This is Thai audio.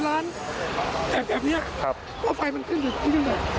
ก็ไฟมันขึ้นอยู่ขึ้นถึงแถวตะ